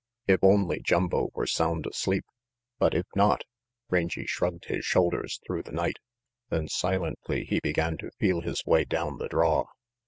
If only Jumbo were sound asleep! But if not Rangy shrugged his shoulders through the night; then silently he began to feel his way down the draw.